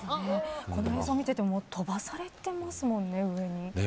この映像を見ていても飛ばされていますもんね、上に。